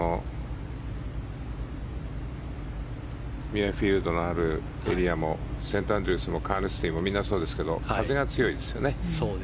ミュアフィールドのあるエリアもセントアンドリュースもカーヌスティもみんなそうですけど風が強いですよね。